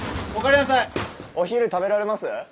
お昼食べられます？